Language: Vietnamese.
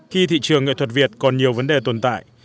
khi thị trường nghệ thuật việt còn nhiều vấn đề tồn tại